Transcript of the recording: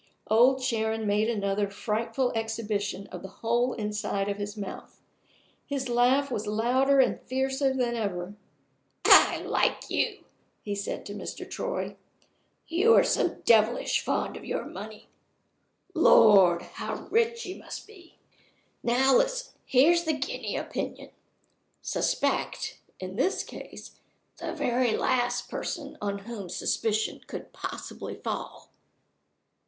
Old Sharon made another frightful exhibition of the whole inside of his mouth; his laugh was louder and fiercer than ever. "I like you!" he said to Mr. Troy, "you are so devilish fond of your money. Lord! how rich you must be! Now listen. Here's the guinea opinion: Suspect, in this case, the very last person on whom suspicion could possibly fall."